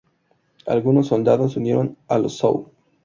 Algunos soldados se unieron a los Zhou.